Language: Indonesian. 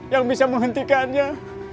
yang bisa menghentikannya